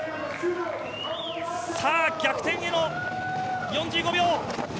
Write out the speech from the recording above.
さあ逆転への４５秒。